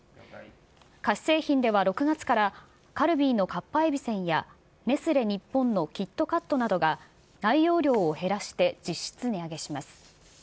菓子製品では６月から、カルビーのかっぱえびせんやネスレ日本のキットカットなどが、内容量を減らして実質値上げします。